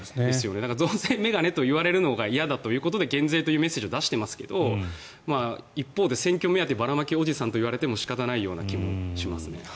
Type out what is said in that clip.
増税メガネといわれるのが嫌だということで減税というメッセージを出していますが一方で選挙目当てばらまきおじさんといわれても仕方ない気もします。